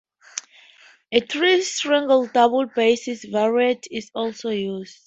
A three stringed double bass variant is also used.